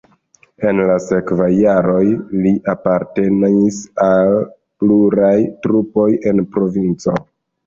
En la sekvaj jaroj li apartenis al pluraj trupoj en provinco.